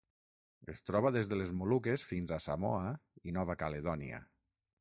Es troba des de les Moluques fins a Samoa i Nova Caledònia.